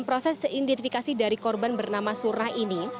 dan proses identifikasi dari korban bernama surna ini